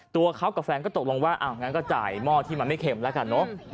ตัวเขากับแฟนก็ตกลงว่าอ้าวงั้นก็จ่ายหม้อที่มันไม่เข็มแล้วกันเนอะ